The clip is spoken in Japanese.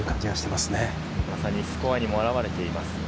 まさにスコアにも表れています。